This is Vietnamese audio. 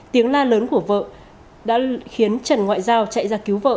tiếng la lớn của vợ đã khiến trần ngoại giao chạy ra cứu vợ